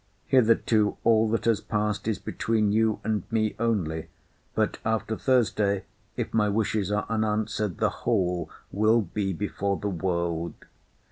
Hitherto all that has passed is between you and me only; but, after Thursday, if my wishes are unanswered, the whole will be before the world.